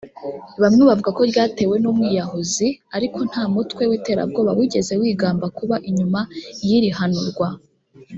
Bamwe bavuga ko ryatewe n’ umwiyahuzi ariko nta mutwe w’ iterabwoba wigeze wigamba kuba inyuma y’ iri hanurwa